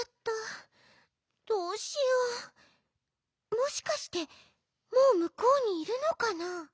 もしかしてもうむこうにいるのかな？